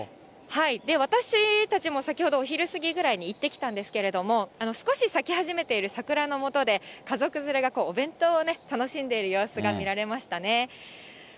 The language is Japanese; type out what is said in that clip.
私たちも先ほど、お昼過ぎぐらいに行ってきたんですけれども、少し咲き始めている桜のもとで、家族連れがお弁当を楽しんでいる様子が見られましたね。